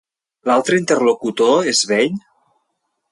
L'altre interlocutor és vell?